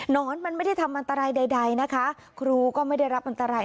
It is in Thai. นอนมันไม่ได้ทำอันตรายใดนะคะครูก็ไม่ได้รับอันตราย